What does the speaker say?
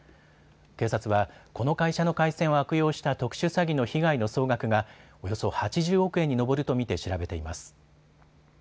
警察はこの会社の回線を悪用した特殊詐欺の被害の総額がおよそ８０億円に上ると見て調べています。